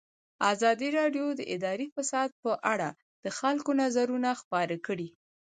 ازادي راډیو د اداري فساد په اړه د خلکو نظرونه خپاره کړي.